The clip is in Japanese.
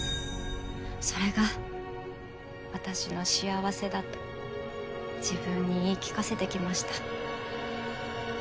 それが私の幸せだと自分に言い聞かせてきました。